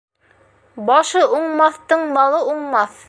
Башы уңмаҫтың малы уңмаҫ.